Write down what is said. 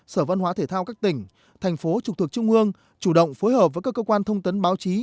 sở văn hóa thể thao các tỉnh thành phố trực thuộc trung ương chủ động phối hợp với các cơ quan thông tấn báo chí